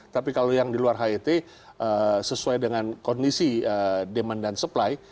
tapi kalau yang di luar het sesuai dengan kondisi demand dan supply